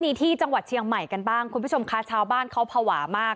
ที่จังหวัดเชียงใหม่กันบ้างคุณผู้ชมค่ะชาวบ้านเขาภาวะมาก